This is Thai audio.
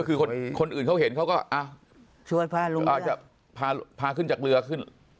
คือคนอื่นเขาเห็นเขาก็ช่วยพาลูกพาขึ้นจากเรือขึ้น